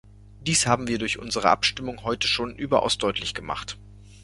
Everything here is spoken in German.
Dies haben wir durch unsere Abstimmung heute schon überaus deutlich gemacht.